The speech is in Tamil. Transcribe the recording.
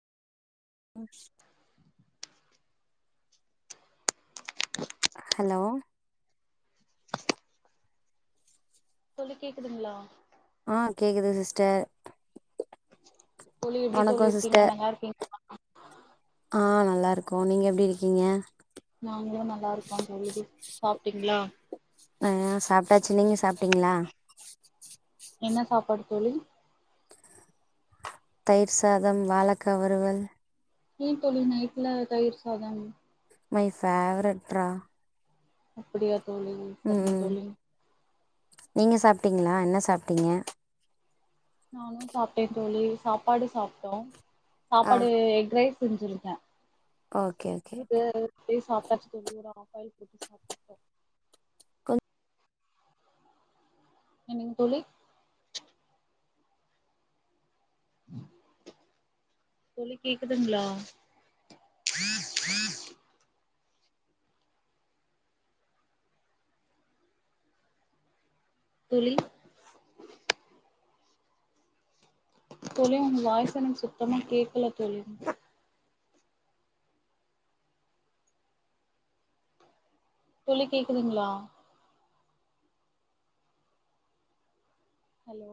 ஹலோ தோழி கேக்குதுங்ளா ஆ கேக்குது சிஸ்டர் தோழி எப்டி வணக்கோ தோழி இருக்கீங்க சிஸ்டர் நல்லா இருக்கீங் ஆ நல்லா இருக்கோ நீங்க எப்டி இருக்கீங்க நாங்களு நல்லா இருக்கோ தோழி சாப்டீங்ளா உ சாப்ட்டாச்சு நீங்க சாப்டீங்ளா என்ன சாப்பாடு தோழி தயிர் சாதம் வாளக்கா வறுவல் ஏ தோழி நைட்ல தயிர் சாதம் மை ஃபேவரட் ரா அப்டியா தோழி செரிங்க தோழி நீங்க சாப்பிட்டீங்ளா என்ன சாப்பிட்டீங்க நானு சாப்பிட்டே தோழி சாப்பாடு சாப்ட்டோ ஆ சாப்பாடு எக் ரைஸ் பிரிஞ்சுலுங்க ஓகே ஓகே அப்டியே சாப்ட்டாச்சு தோழி ஒரு ஆஃப் பாயில் போட்டு சாப்பட்டுட்ட கொஞ்ச என்னங்க தோழி தோழி கேக்குதுங்ளா தோழி தோழி உங்க வாய்சு எனக்கு சுத்தமா கேக்கல தோழி தோழி கேக்குதுங்ளா ஹலோ